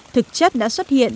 thực chất đã xuất hiện